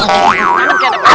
tangan kayak ada kaya